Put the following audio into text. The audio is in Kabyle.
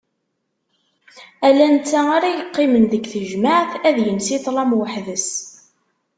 Ala netta ara yeqqimen deg tejmeɛt, ad ines i ṭlam weḥd-s.